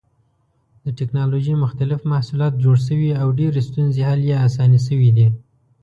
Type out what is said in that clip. د ټېکنالوجۍ مختلف محصولات جوړ شوي او ډېرې ستونزې حل یا اسانې شوې دي.